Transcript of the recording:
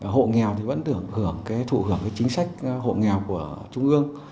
hộ nghèo thì vẫn được hưởng cái thụ hưởng cái chính sách hộ nghèo của trung ương